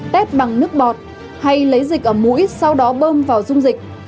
tét bằng nước bọt hay lấy dịch ở mũi sau đó bơm vào dung dịch